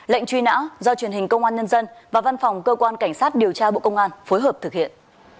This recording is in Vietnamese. lệnh truy nã do truyền hình công an nhân dân và văn phòng cơ quan cảnh sát điều tra bộ công an phối hợp thực hiện